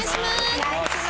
お願いします！